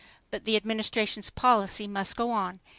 But the Administration's policy must go on.